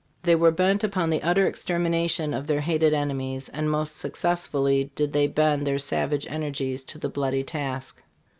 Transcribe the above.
They were bent upon the utter extermination of their hated enemies, and most successfully did they bend their savage energies to the bloody task.